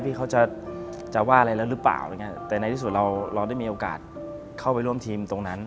พี่เขาจะว่าอะไรแล้วหรือเปล่าแต่ในที่สุดเราได้มีโอกาสเข้าไปร่วมทีมตรงนั้น